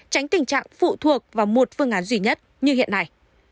tránh tình trạng phụ thuộc vào một phương án duy nhất như hiện nay